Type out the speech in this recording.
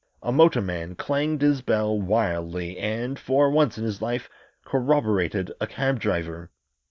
A motorman clanged his bell wildly and, for once in his life, corroborated a cab driver.